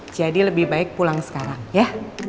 jadi lebih baik pulang sekarang ya